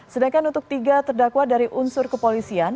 sedangkan untuk tiga terdakwa dari unsur kepolisian